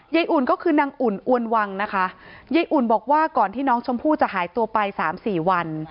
อุ่นก็คือนางอุ่นอวนวังนะคะยายอุ่นบอกว่าก่อนที่น้องชมพู่จะหายตัวไปสามสี่วัน